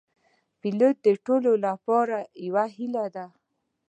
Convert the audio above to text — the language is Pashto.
پیلوټ د ټولو لپاره یو هیله ده.